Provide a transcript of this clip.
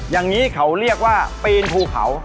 อย่างนี้เขาเรียกว่าปีนภูเขา